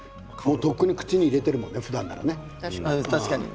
とっくに口に入れているもんね、ふだんならね。